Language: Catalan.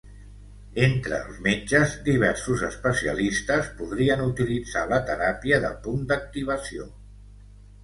Entre els metges, diversos especialistes podrien utilitzar la teràpia de punt d'activació.